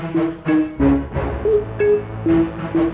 tiga kali gini juga ga spesial